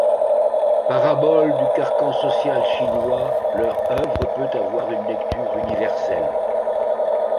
Parabole du carcan social chinois, leur œuvre peut avoir une lecture universelle.